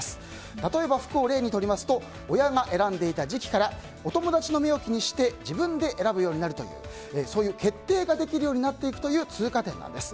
例えば、服を例にとりますと親が選んでいた時期からお友達の目を気にして自分で選ぶようになるというそういう決定ができるようになっていくという通過点なんです。